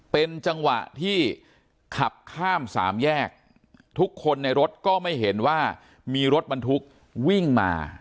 เป็นจังหวะที่ขับข้ามสามแยกทุกคนในรถก็ไม่เห็นว่ามีรถบรรทุกวิ่งมา